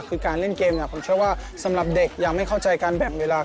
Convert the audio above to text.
คือการเล่นเกมผมเชื่อว่าสำหรับเด็กยังไม่เข้าใจการแบ่งเวลา